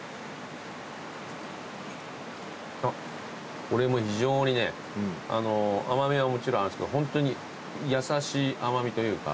あっこれも非常にね甘味はもちろんあるんですけどホントに優しい甘味というか。